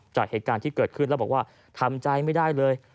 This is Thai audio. จากเหตุการณ์ที่เกิดขึ้นแล้วบอกว่าทำใจไม่ได้เลย